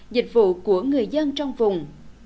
dịch vụ của người dân trong vùng